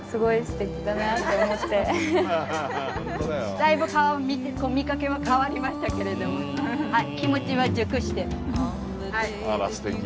だいぶ顔見かけも変わりましたけれど気持ちは熟してる。